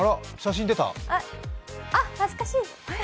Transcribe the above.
あっ、懐かしい。